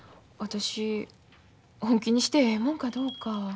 私本気にしてええもんかどうか。